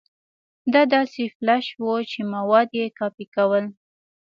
دا داسې فلش و چې مواد يې کاپي کول.